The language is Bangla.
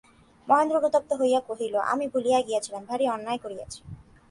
মহেন্দ্র অনুতপ্ত হইয়া কহিল, আমি ভুলিয়া গিয়াছিলাম–ভারি অন্যায় করিয়াছি।